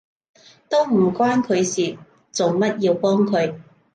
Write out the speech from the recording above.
都唔關佢事，做乜要幫佢？